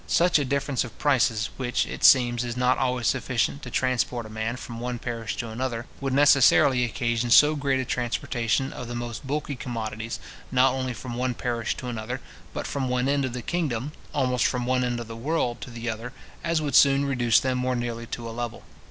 Such a difference of prices, which, it seems, is not always sufficient to transport a man from one parish to another, would necessarily occasion so great a transportation of the most bulky commodities, not only from one parish to another, but from one end of the kingdom, almost from one end of the world to the other, as would soon reduce them more nearly to a level.